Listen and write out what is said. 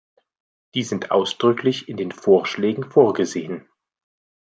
Die sind ausdrücklich in den Vorschlägen vorgesehen.